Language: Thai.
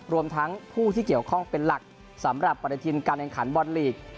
รวมทั้งผู้ที่เกี่ยวข้องเป็นหลักสำหรับปฏิทินการแข่งขันบอลลีก